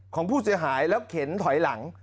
ของผู้เสียหายแล้วเข็นถอยหลัง